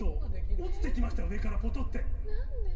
落ちて来ました上からぽとって。